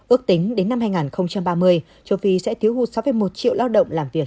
ước tính đến năm hai nghìn ba mươi châu phi sẽ thiếu hụt sáu một triệu lao động làm việc